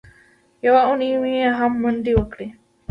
یوه اونۍ مې هم منډې وکړې.